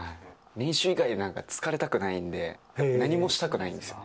練習以外で疲れたくないんで、何もしたくないんですよ。